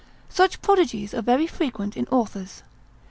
Such prodigies are very frequent in authors.